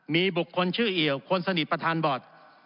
มีบุคคลชื่อเอี่ยวคนสนิทประธานบอร์ด